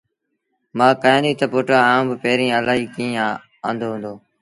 مآ ڪهيآݩديٚ تا پُٽ آئوݩ پيريٚݩ اَلهيٚ ڪيٚݩ آݩدو هُݩدو